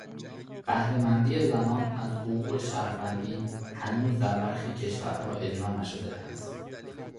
بهره مندی زنان از حقوق شهروندی هنوز در برخی کشورها اجرا نشده است.